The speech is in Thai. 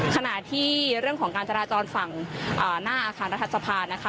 ขณะที่เรื่องของการจราจรฝั่งหน้าอาคารรัฐสภานะคะ